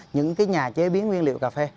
những nhà chế biến nguyên liệu cà phê